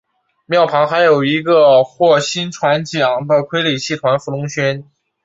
庙旁还有一个获薪传奖的傀儡戏团福龙轩。